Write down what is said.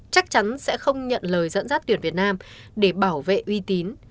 chắc chắn sẽ không nhận lời dẫn dắt tuyển việt nam để bảo vệ uy tín